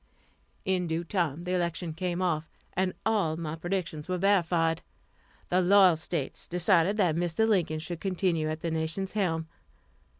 In due time the election came off, and all of my predictions were verified. The loyal States decided that Mr. Lincoln should continue at the nation's helm.